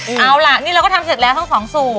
เอาล่ะนี่เราก็ทำเสร็จแล้วทั้งสองสูตร